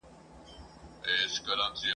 هغه وطن مي راته تنور دی ..